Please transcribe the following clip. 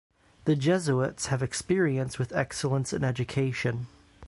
The Jesuits have experience with excellence in education.